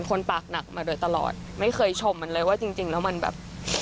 คนปากหนักมาโดยตลอดไม่เคยชมมันเลยว่าจริงจริงแล้วมันแบบ